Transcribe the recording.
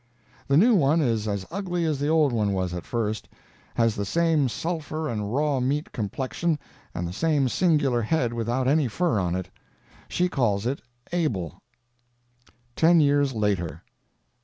The new one is as ugly as the old one was at first; has the same sulphur and raw meat complexion and the same singular head without any fur on it. She calls it Abel. TEN YEARS LATER.